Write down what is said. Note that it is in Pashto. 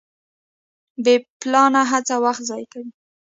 بې پلانه هڅه وخت ضایع کوي.